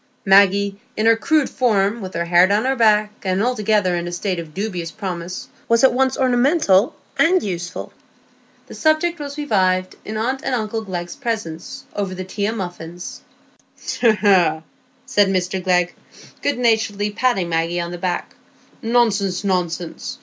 Maggie in her crude form, with her hair down her back, and altogether in a state of dubious promise, was a most undesirable niece; but now she was capable of being at once ornamental and useful. The subject was revived in aunt and uncle Glegg's presence, over the tea and muffins. "Hegh, hegh!" said Mr Glegg, good naturedly patting Maggie on the back, "nonsense, nonsense!